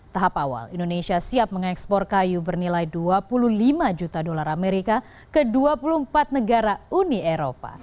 tahap awal indonesia siap mengekspor kayu bernilai dua puluh lima juta dolar amerika ke dua puluh empat negara uni eropa